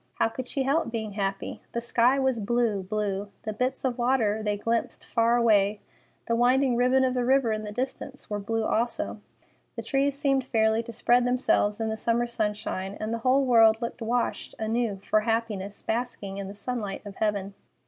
How could she help being happy? The sky was blue, blue; the bits of water they glimpsed far away, the winding ribbon of the river in the distance, were blue also. The trees seemed fairly to spread themselves in the summer sunshine, and the whole world looked washed anew for happiness, basking in the sunlight of heaven.